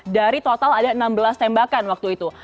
dari total ada enam belas tembakan waktu itu